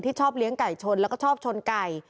ที่ชอบเลี้ยงไก่ชนและชนไก่